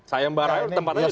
saya mbarayur tempatnya juga